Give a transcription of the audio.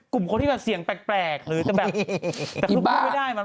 กลุ่มคนที่เสียงแปลกหรือแบบ